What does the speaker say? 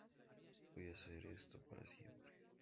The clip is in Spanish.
Voy a hacer esto para siempre.